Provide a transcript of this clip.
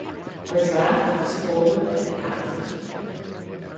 Her draft was forward and aft.